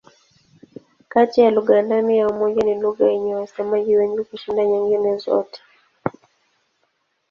Kati ya lugha ndani ya Umoja ni lugha yenye wasemaji wengi kushinda nyingine zote.